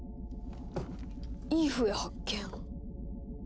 いい笛発見！